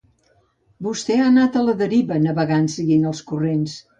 Vostè ha anat a la deriva, navegant seguint els corrents.